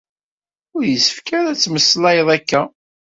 Ur yessefk ara ad temmeslayeḍ akka.